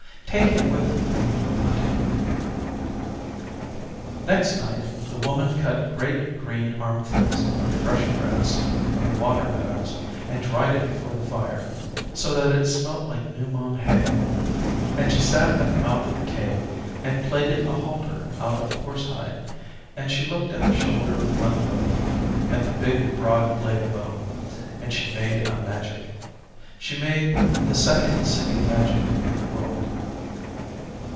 Take him with you when you go hunting.' Next night the Woman cut great green armfuls of fresh grass from the water meadows, and dried it before the fire, so that it smelt like new mown hay, and she sat at the mouth of the Cave and plaited a halter out of horse hide, and she looked at the shoulder of mutton bone at the big broad blade bone and she made a Magic. She made the Second Singing Magic in the world.